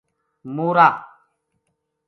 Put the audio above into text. مورا